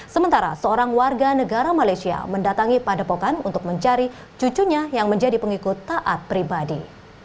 sementara seorang warga negara malaysia mendatangi padepokan untuk mencari cucunya yang menjadi pengikut taat pribadi